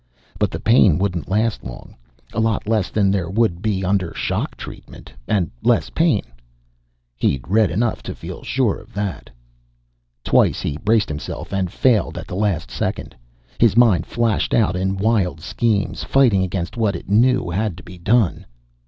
But the pain wouldn't last long a lot less than there would be under shock treatment, and less pain. He'd read enough to feel sure of that. Twice he braced himself and failed at the last second. His mind flashed out in wild schemes, fighting against what it knew had to be done.